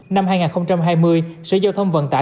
năm hai nghìn hai mươi sở giao thông vận tải